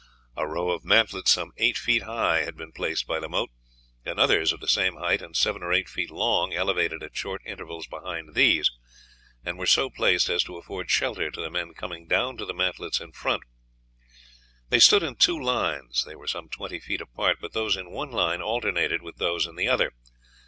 A row of mantlets some eight feet high had been placed by the moat, and others of the same height, and seven or eight feet long, elevated at short intervals behind these, were so placed as to afford shelter to the men coming down to the mantlets in front. They stood in two lines; they were some twenty feet apart, but those in one line alternated with those in the other.